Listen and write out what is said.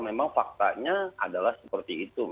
memang faktanya adalah seperti itu